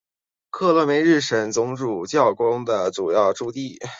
克罗梅日什总主教宫的主要驻地。